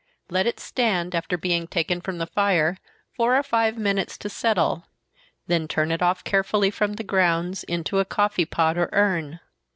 Let it stand, after being taken from the fire, four or five minutes to settle, then turn it off carefully from the grounds, into a coffee pot or urn.